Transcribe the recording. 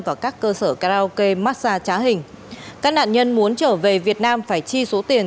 vào các cơ sở karaoke massage trá hình các nạn nhân muốn trở về việt nam phải chi số tiền